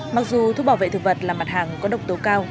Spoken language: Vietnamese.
mặc dù thuốc bảo vệ thực vật là mặt hàng có độc tố cao